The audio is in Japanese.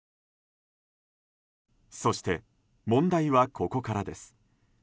そして、問題はここからです。